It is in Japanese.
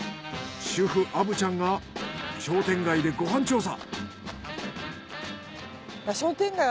主婦虻ちゃんが商店街でご飯調査。